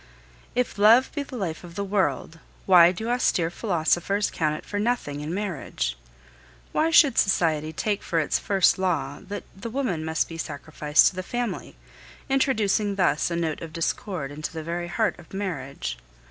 If love be the life of the world, why do austere philosophers count it for nothing in marriage? Why should Society take for its first law that the woman must be sacrificed to the family, introducing thus a note of discord into the very heart of marriage?